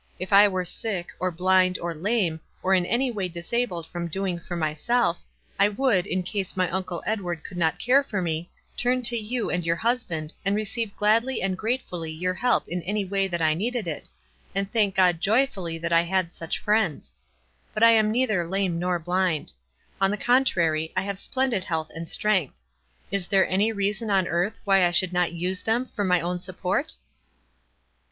If I were sick, or blind or lame, or in any way disabled from doing for myself, I would, in case my Uncle Edward could not care for me, turn to you and your hus band, and receive gladly and gratefully your help in any way that I needed it, and thank God WISE AND OTHERWISE. 215 joyfully that I had such friends ; but I am nei ther lame nor blind. On the contrary, I have splendid health and strength. Is there any rea son on earth why I should not use them for my own support?"